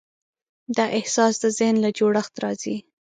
دا احساس د ذهن له جوړښت راځي.